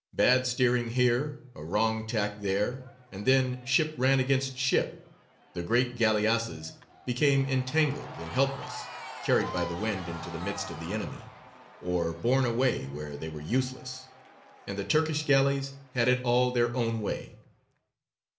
Bad steering here, a wrong tack there, and then ship ran against ship, the great galleasses became entangled and helpless, carried by the wind into the midst of the enemy, or borne away where they were useless, and the Turkish galleys had it all their own way.